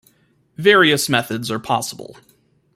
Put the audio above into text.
Various methods are possible.